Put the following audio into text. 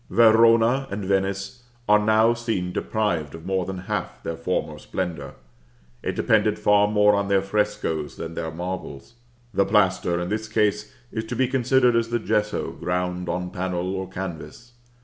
Verona and Venice are now seen deprived of more than half their former splendor; it depended far more on their frescoes than their marbles. The plaster, in this case, is to be considered as the gesso ground on panel or canvas.